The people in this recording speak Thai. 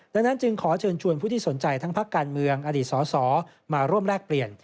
ดังนั้นจึงขอเชิญชวนผู้ที่สนใจทั้งพักการเมืองอดีตสอสอมาร่วมแลกเปลี่ยน